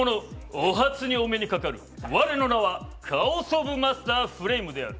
お初にお目にかかる我の名はカオスオブマスターフレイムである。